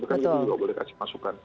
tapi kan itu juga boleh dikasih masukan